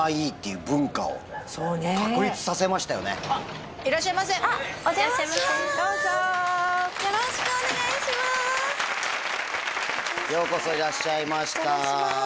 ようこそいらっしゃいましたお邪魔します